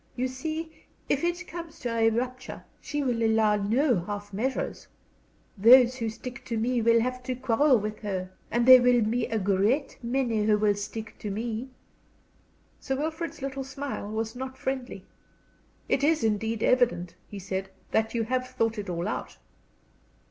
You see, if it comes to a rupture she will allow no half measures. Those who stick to me will have to quarrel with her. And there will be a great many who will stick to me." Sir Wilfrid's little smile was not friendly. "It is indeed evident," he said, "that you have thought it all out."